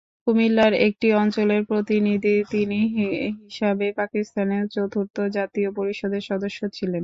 কুমিল্লার একটি অঞ্চলের প্রতিনিধি তিনি হিসাবে পাকিস্তানের চতুর্থ জাতীয় পরিষদের সদস্য ছিলেন।